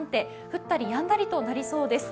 降ったりやんだりとなりそうです。